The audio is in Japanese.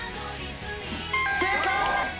正解！